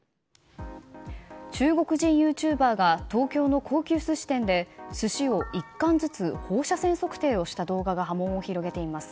中国人ユーチューバーが東京の高級寿司店で寿司を１貫ずつ放射線測定をした動画が波紋を広げています。